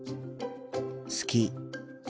好き。